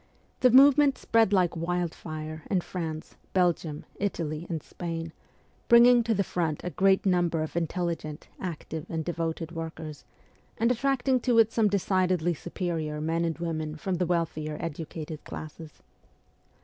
The movement spread like wildfire in France, Belgium, Italy, and Spain, bringing to the front a great number of in telligent, active, and devoted workers, and attracting to it some decidedly superior men and women from the wealthier educated classes.